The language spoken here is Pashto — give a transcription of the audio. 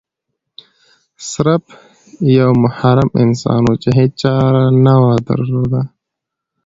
سرف یو محروم انسان و چې هیڅ چاره نه درلوده.